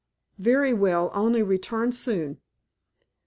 "Very well; only return soon."